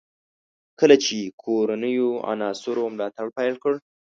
کله چې کورنیو عناصرو ملاتړ پیل کړ.